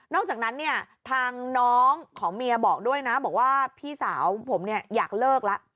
อกจากนั้นเนี่ยทางน้องของเมียบอกด้วยนะบอกว่าพี่สาวผมเนี่ยอยากเลิกแล้ว